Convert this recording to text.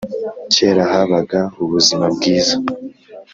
kera habaga ubuzima bwiza